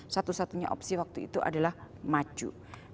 satu satunya opsi waktu itu adalah maju